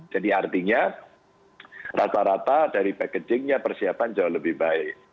jadi artinya rata rata dari packagingnya persiapan jauh lebih baik